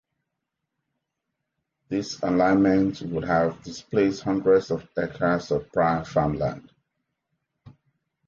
This alignment would have displaced hundreds of acres of prime farmland.